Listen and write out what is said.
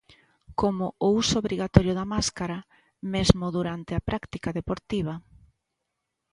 Como o uso obrigatorio da máscara, mesmo durante a práctica deportiva.